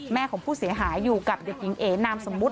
ของผู้เสียหายอยู่กับเด็กหญิงเอ๋นามสมมุติ